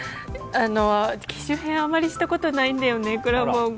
機種変あんまりしたことないんだよね。